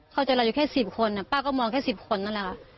เข้าใจเราอยู่แค่๑๐คนป้าก็มองแค่๑๐คนนั่นแหละค่ะ